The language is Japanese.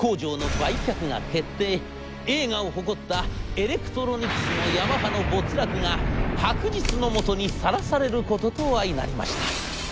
栄華を誇ったエレクトロニクスのヤマハの没落が白日のもとにさらされることと相成りました。